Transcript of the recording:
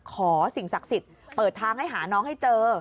สิ่งศักดิ์สิทธิ์เปิดทางให้หาน้องให้เจอ